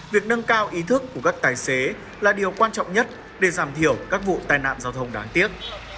việc nâng cao ý thức của các tài xế là điều quan trọng nhất để giảm thiểu các vụ tai nạn giao thông đáng tiếc